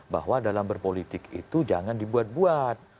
bahwa dalam berpolitik itu jangan dibuat buat